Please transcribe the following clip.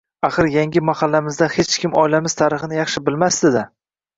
Axir, yangi mahallamizda hech kim oilamiz tarixini yaxshi bilmasdi-da